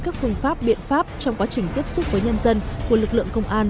các phương pháp biện pháp trong quá trình tiếp xúc với nhân dân của lực lượng công an